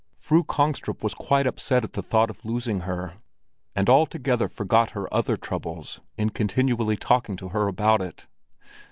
Fru Kongstrup was quite upset at the thought of losing her, and altogether forgot her other troubles in continually talking to her about it.